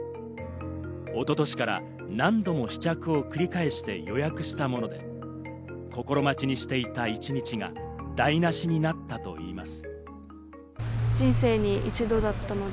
一昨年から何度も試着を繰り返して予約したもので、心待ちにしていた一日が、台無しになったといいます。